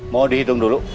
mau dihitung dulu